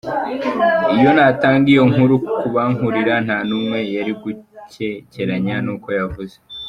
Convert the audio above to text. Iyo natanga iyo nkuru kubankurira, nta n'umwe yari gukekeranya," n'uko yavuze.